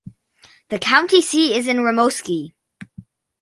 The county seat is in Rimouski.